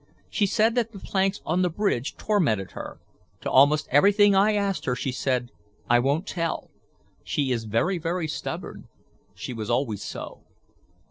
She said that the planks on the bridge tormented her. To almost everything I asked her she said, 'I won't tell.' She is very, very stubborn; she was always so."